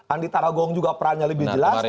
andi tarogong juga perannya lebih jelas